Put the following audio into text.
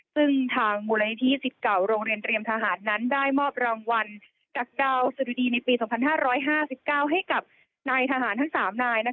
ซึ่งทางมูลนิธิสิทธิ์เก่าโรงเรียนเตรียมทหารนั้นได้มอบรางวัลจากดาวสะดุดีในปี๒๕๕๙ให้กับนายทหารทั้ง๓นาย